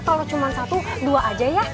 kalau cuma satu dua aja ya